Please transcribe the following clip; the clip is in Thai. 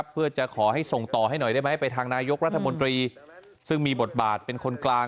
เพื่อจะขอให้ส่งต่อให้หน่อยได้ไหมไปทางนายกรัฐมนตรีซึ่งมีบทบาทเป็นคนกลาง